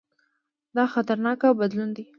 دا خطرناک بدلون دی.